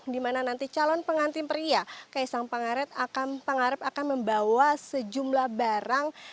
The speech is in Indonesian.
di mana nanti calon pengantin pria kaisang panger akan membawa sejumlah barang